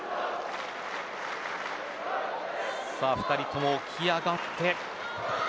２人とも起き上がって。